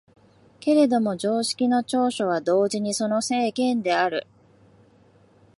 けれども常識の長所は同時にその制限である。